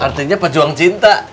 artinya pejuang cinta